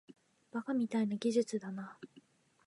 バカみたいな技術だな